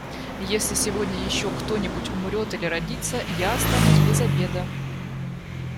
Если сегодня еще кто-нибудь умрет или родится, я останусь без обеда.